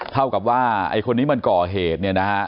เท่ากับว่าอันตรงนี้เป็นก่อเหตุ